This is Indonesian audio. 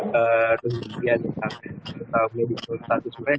ketika orang itu berhasil menjadi kolumdir mereka biasanya